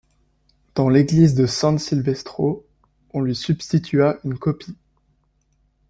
Dans l'église San Silvestro, on lui substitua une copie.